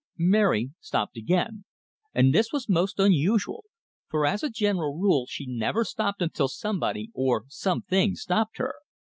Mary stopped again; and this was most unusual, for as a general rule she never stopped until somebody or something stopped her.